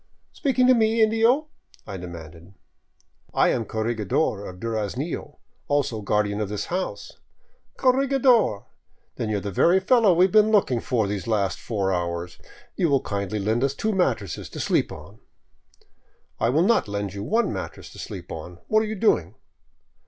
" Speaking to me, indio ?" I demanded. " I am corregidor of Duraznillo, also guardian of this house." " Corregidor ! Then you are the very fellow we have been looking for these last four hours. You will kindly lend us two mattresses to sleep on.'* " I will not lend you one mattress to sleep on. What are you doing?"